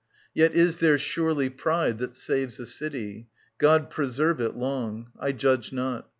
Yet is there surely Pride That saves a city ; God preserve it long ! I judge not.